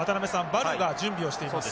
ヴァルが準備をしています。